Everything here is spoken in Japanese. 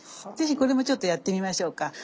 是非これもちょっとやってみましょうか。